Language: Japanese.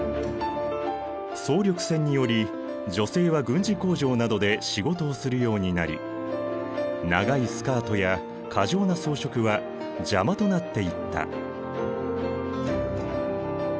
総力戦により女性は軍事工場などで仕事をするようになり長いスカートや過剰な装飾は邪魔となっていった。